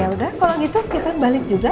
ya udah kalau gitu kita balik juga